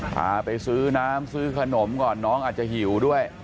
พาไปซื้อน้ำซื้อขนมก่อนน้องอาจจะหิวด้วย